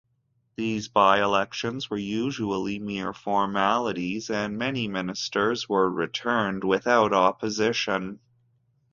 These by-elections were usually mere formalities, and many ministers were returned without opposition.